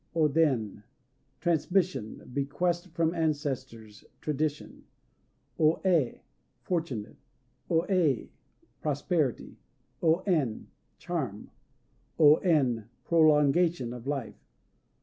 O Den "Transmission," bequest from ancestors, tradition. O É "Fortunate." O Ei "Prosperity." O En "Charm." O En "Prolongation," of life.